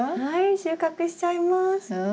はい収穫しちゃいます。